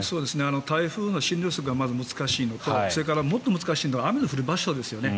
台風の進路予測が難しいのともっと難しいのは雨の降る場所ですね。